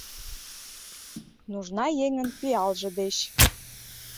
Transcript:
Нужна еҥын пиалже деч